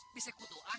bisa kutu ah